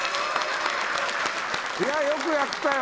いやよくやったよ